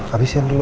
abis ini dulu